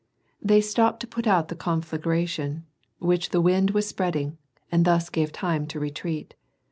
221 stopped to put out the conflagration, which the wind was spread ing, and thus gave time to retreat.